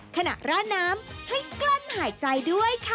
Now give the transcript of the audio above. ขณะร่าน้ำให้กลั้นหายใจด้วยค่ะ